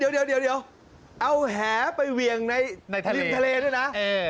เดี๋ยวเอาแหไปเวียงในทะเลริมทะเลด้วยนะ